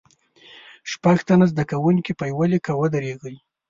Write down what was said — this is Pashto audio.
شپږ تنه زده کوونکي په یوه لیکه ودریږئ.